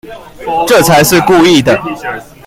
這才是故意的